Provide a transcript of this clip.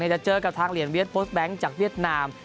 จะเจอกับทางเหลียนเวียดโพสต์แบงค์จากเวียดนาม